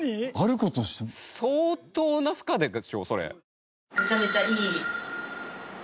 相当な負荷でしょそれ。